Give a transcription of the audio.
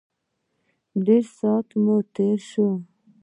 ډېر سات مو تېر شو.